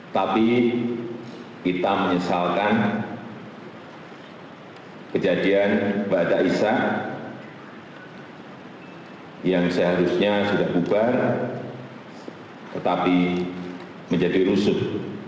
tapi kita menyesalkan kejadian mbak daisah yang seharusnya sudah bubar tetapi menjadi rusuk